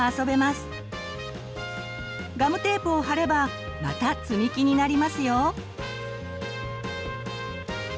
ガムテープを貼ればまたつみきになりますよ。